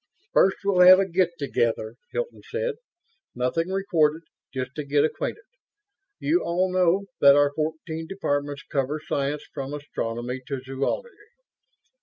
"First, we'll have a get together," Hilton said. "Nothing recorded; just to get acquainted. You all know that our fourteen departments cover science, from astronomy to zoology."